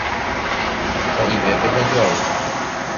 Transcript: Sa'ivépe jajoavy.